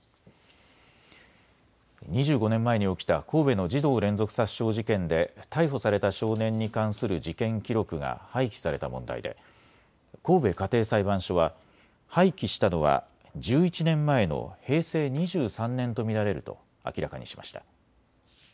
２５年前に起きた神戸の児童連続殺傷事件で逮捕された少年に関する事件記録が廃棄された問題で神戸家庭裁判所は廃棄したのは１１年前の平成２３年と見られると明らかにしました。